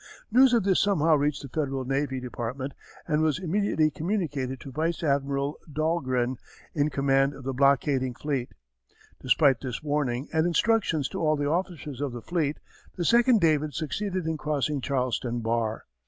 News of this somehow reached the Federal Navy Department and was immediately communicated to Vice Admiral Dahlgren, in command of the blockading fleet. Despite this warning and instructions to all the officers of the fleet, the second David succeeded in crossing Charleston bar.